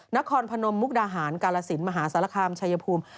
นครพนมมุกดาหารกาลสินมหาสารคามชายภูมิ